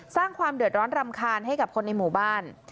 สร้างความเดือดร้อนรำคาญให้กับคนในหมู่บ้าน